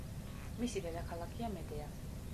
მისი დედაქალაქია მედეა.